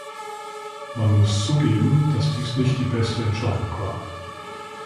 Man muss zugeben, dass dies nicht die beste Entscheidung war.